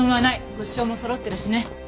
物証もそろってるしね。